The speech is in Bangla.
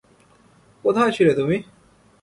কোথায় ছিলে তুমি?